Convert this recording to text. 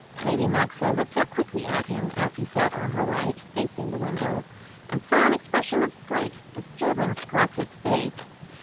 Lady Maxwell looked up quickly at him as he sat on her right facing the window; and saw an expression of slight disturbance cross his face.